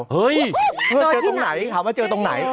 เฮ้ยเจอตรงไหนถามว่าเจอตรงไหน